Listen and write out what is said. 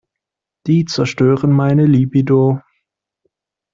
Die zerstören meine Libido.